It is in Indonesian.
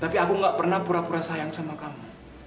tapi aku gak pernah pura pura sayang sama kamu